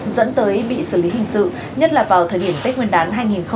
dẫn tới bị xử lý hình sự nhất là vào thời điểm tết nguyên đán hai nghìn hai mươi một đang cận kề